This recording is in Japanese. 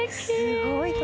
すごい所。